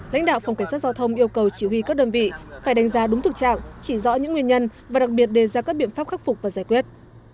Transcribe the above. lãnh đạo phòng cảnh sát giao thông yêu cầu chỉ huy các đơn vị phải đánh giá đúng thực trạng chỉ rõ những nguyên nhân và đặc biệt đề ra các biện pháp khắc phục và giải quyết